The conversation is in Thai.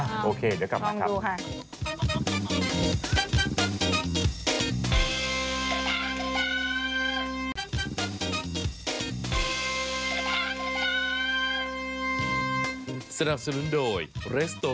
อ้าวโอเคเดี๋ยวกลับมาครับลองดูค่ะ